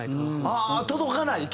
届かない？